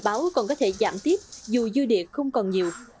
báo còn có thể giảm tiếp dù dư địa không còn nhiều